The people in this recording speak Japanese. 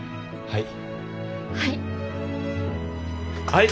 はい。